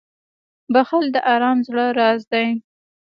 • بښل د ارام زړه راز دی.